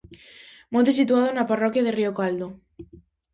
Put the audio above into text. Monte situado na parroquia de Río Caldo.